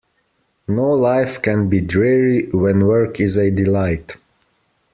No life can be dreary when work is a delight.